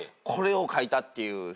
これを書いたっていう。